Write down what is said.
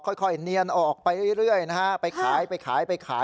เนียนออกไปเรื่อยนะฮะไปขายไปขายไปขาย